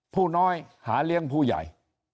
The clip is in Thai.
ผู้น้อยหาเลี้ยงผู้ใหญ่